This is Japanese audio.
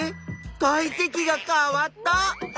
体積が変わった！